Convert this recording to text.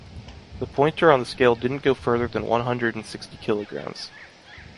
The pointer on the scale didn’t go further than one hundred and sixty kilograms.